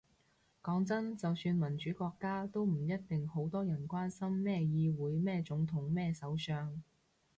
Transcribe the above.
講真，就算民主國家，都唔一定好多人關心咩議會咩總統咩首相